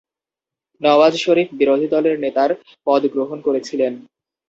নওয়াজ শরীফ বিরোধী দলের নেতার পদ গ্রহণ করেছিলেন।